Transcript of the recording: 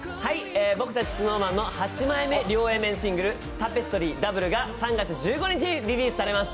僕たちＳｎｏｗＭａｎの８枚目両Ａ面シングル、「タペストリー／Ｗ」が３月１５日にリリースされます。